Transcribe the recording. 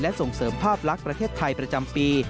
ส่งเสริมภาพลักษณ์ประเทศไทยประจำปี